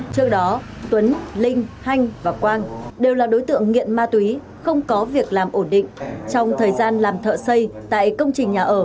trước đó tuấn linh hanh và quang đều là đối tượng nghiện ma túy không có việc làm ổn định trong thời gian làm thợ xây tại công trình nhà ở